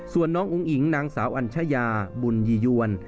ส่วนน้องอุ้งอิ๋งนางสาวอัญชยาบุญยียวน